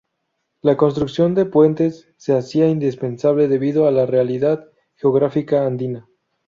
La construcción de puentes se hacía indispensable debido a la realidad geográfica andina.